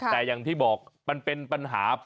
แต่อย่างที่บอกมันเป็นปัญหา